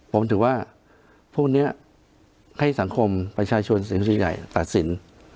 ผมถือว่าพวกเนี่ยให้สังคมประชาชนสิรทธิ์ใหญ่ตัดสิน